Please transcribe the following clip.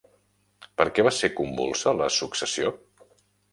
Per què va ser convulsa la successió?